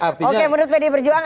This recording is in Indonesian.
oke menurut pd perjuangan ya